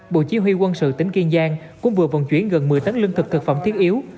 bộ chỉ huy quân sự tỉnh kiên giang cũng vừa vận chuyển gần một mươi tấn lương thực thực phẩm thiết yếu